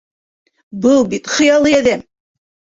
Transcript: Был бит хыялый әҙәм!